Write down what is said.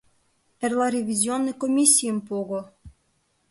Эрла ревизионный комиссийым пого.